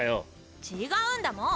違うんだもん！